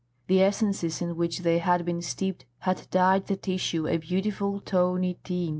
The essences in which they had been steeped had dyed the tissue a beautiful tawny tint.